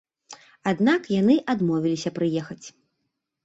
Аднак яны адмовіліся прыехаць.